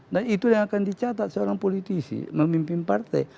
itu yang akan dicatat seorang politisi memimpin partai